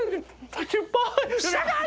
酸っぱい！